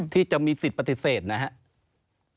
ที่จะมีสิทธิ์ปฏิเสธนะครับ